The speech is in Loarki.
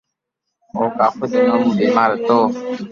او ڪافو دينو مون بيمار ھتو